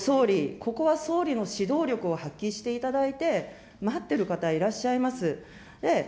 ここは総理の指導力を発揮していただいて、待ってる方いらっしゃいます。